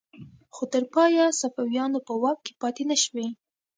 خو تر پایه صفویانو په واک کې پاتې نشوې.